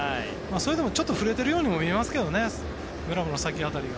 それでも、ちょっと触れてるように見えますけどねグラブの先辺りが。